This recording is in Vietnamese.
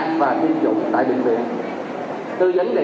và giải thích những phản ứng có thể gặp sau tiêm chủng vaccine